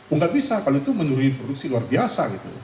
oh nggak bisa kalau itu menuruni produksi luar biasa gitu